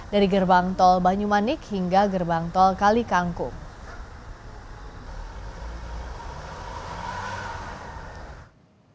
dari gerbang tol banyumanik hingga gerbang tol kali kangkung